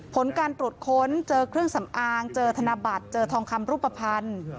ผลการตรวจค้นเจอเครื่องสำอางเจอธนบัตรเจอทองคำรูปภัณฑ์